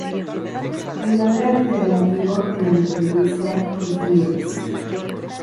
El nombre alternativo de la freguesia es Neves.